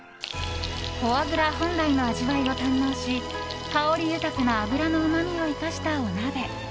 フォアグラ本来の味わいを堪能し香り豊かな脂のうまみを生かしたお鍋。